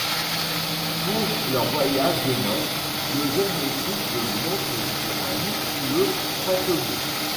Pour leur voyage de noces, le jeune couple monte sur un luxueux paquebot.